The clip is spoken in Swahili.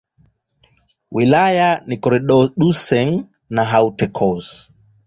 Wilaya ni Corse-du-Sud na Haute-Corse.